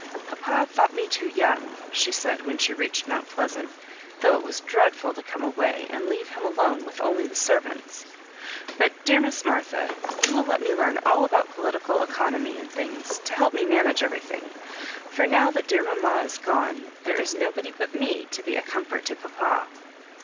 ^* Papa thought me too young," she said, when she reached Mount Pleasant, "though it was dreadful to come away and leave him alone with only the servants; but, dear Miss Martha, you will let me learn all about political economy and things, to help me manage every thing ; for now that dear mamma is gone, there is nobody but me to be a comfort to papa."